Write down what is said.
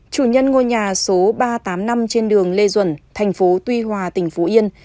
chủ nhân ngôi nhà số ba trăm tám mươi năm trên đường lê duẩn thành phố tuy hòa tỉnh phú yên